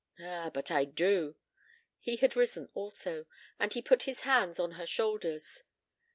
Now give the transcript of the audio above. "Ah, but I do." He had risen also, and he put his hands on her shoulders.